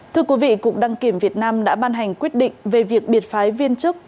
thưa quý vị cục đăng kiểm việt nam đã ban hành quyết định về việc biệt phái viên chức